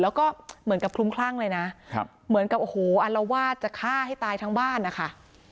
แล้วก็เหมือนกับคลุมคลั่งเลยนะเหมือนกับโอ้โหอารวาสจะฆ่าให้ตายทั้งบ้านนะคะ